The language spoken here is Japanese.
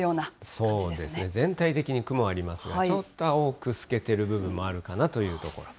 そうですね、全体的に雲がありますが、ちょっと青く透けてる部分もあるかなというところ。